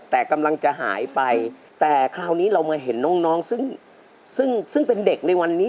แต่กำลังจะหายไปแต่คราวนี้เรามาเห็นน้องซึ่งซึ่งเป็นเด็กในวันนี้